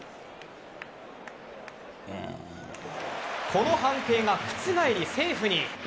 この判定が覆り、セーフに。